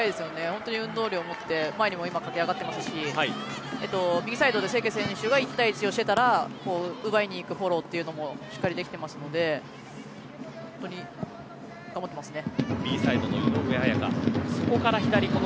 本当に運動量を持って前にも上がっていますし右サイドの清家選手は１対１をしていたら奪いにいくフォローというのもしっかりできていますので本当に頑張ってますね。